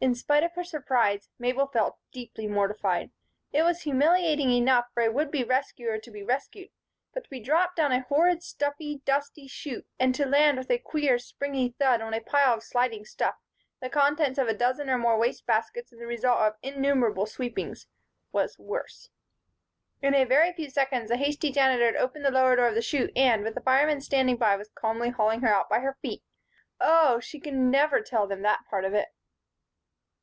In spite of her surprise, Mabel felt deeply mortified. It was humiliating enough for a would be rescuer to be rescued; but to be dropped down a horrid, stuffy dust chute and to land with a queer, springy thud on a pile of sliding stuff the contents of a dozen or more waste baskets and the results of innumerable sweepings was worse. In a very few seconds, the hasty Janitor had opened the lower door of the chute and, with the firemen standing by, was calmly hauling her out by her feet Oh! She could never tell that part of it.